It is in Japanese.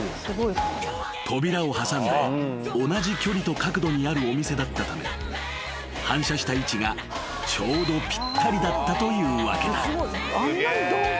［扉を挟んで同じ距離と角度にあるお店だったため反射した位置がちょうどぴったりだったというわけだ］